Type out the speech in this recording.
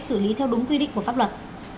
xử lý theo đúng quy định của pháp luật